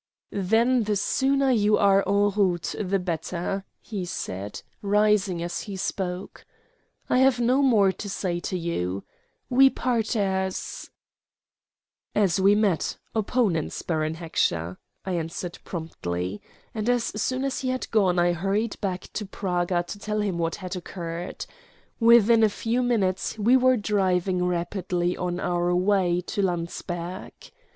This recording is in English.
"Then the sooner you are en route the better," he said, rising as he spoke. "I have no more to say to you. We part as ?" "As we met opponents, Baron Heckscher," I answered promptly; and as soon as he had gone I hurried back to Praga to tell him what had occurred. Within a few minutes we were driving rapidly on our way to Landsberg.